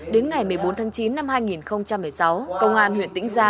đến ngày một mươi bốn tháng chín năm hai nghìn một mươi sáu công an huyện tỉnh ra